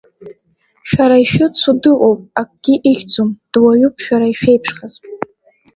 Шәара ишәыцу дыҟоуп, акгьы ихьӡом, дуаҩуп шәара ишәеиԥшхаз…